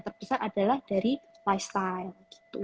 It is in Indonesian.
terbesar adalah dari lifestyle